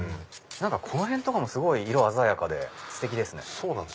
この辺とかもすごい色鮮やかでステキですね。